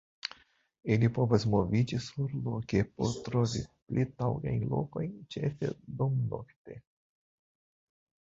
Ili povas moviĝi surloke por trovi pli taŭgajn lokojn, ĉefe dumnokte.